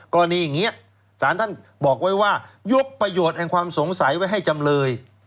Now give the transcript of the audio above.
กรณีอย่างนี้สารท่านบอกไว้ว่ายกประโยชน์แห่งความสงสัยไว้ให้จำเลย